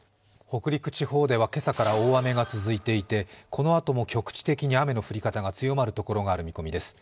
北陸地方では、今朝から大雨が続いていてこのあとも局地的に雨の降り方が強まる所がある見込みです。